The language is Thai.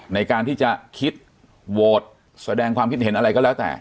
ในการที่จะคิดโหวตแสดงความคิดเห็นอะไรก็แล้วแต่